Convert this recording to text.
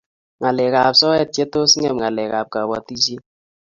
ngalek ab soet che tos ngem ngalek ab kabatishiet